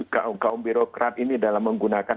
kaum kaum birokrat ini dalam menggunakan